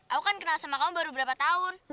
aku kan kenal sama kamu baru berapa tahun